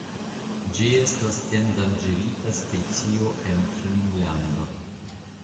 Ĝi estas endanĝerita specio en Finnlando.